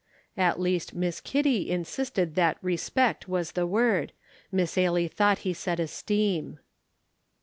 At least Miss Kitty insisted that respect was the word, Miss Ailie thought he said esteem.